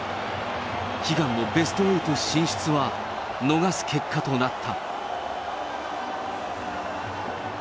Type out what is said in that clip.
悲願のベスト８進出は逃す結果となった。